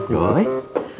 kamu rapi bener kom